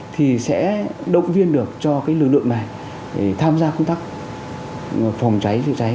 thì sẽ động viên được cho cái lực lượng này tham gia công tác phòng cháy chữa cháy